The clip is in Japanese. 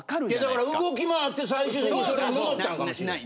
だから動き回って最終的にそれに戻ったんかもしれん。